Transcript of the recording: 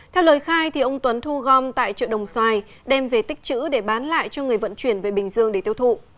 theo lời khai ông tuấn thu gom tại chợ đồng xoài đem về tích chữ để bán lại cho người vận chuyển về bình dương để tiêu thụ